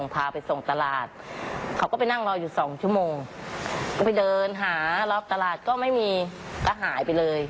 ไปเดินหารอบตลาดก็ไม่มีก็หายไปเลย